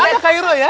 eh ada kairu ya